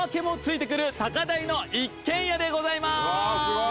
うわすごい。